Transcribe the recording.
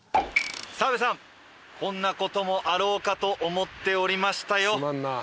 澤部さんこんなこともあろうかと思っておりましたよ。